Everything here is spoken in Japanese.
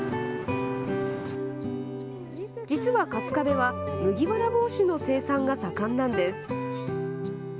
実は、春日部は麦わら帽子の生産が盛んなんです。